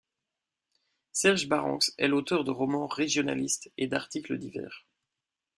Serge Barranx est l'auteur de romans régionalistes et d'articles divers.